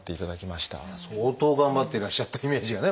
相当頑張っていらっしゃったイメージがね